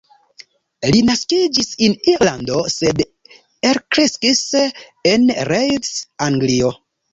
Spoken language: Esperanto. Li naskiĝis en Irlando, sed elkreskis en Leeds, Anglio.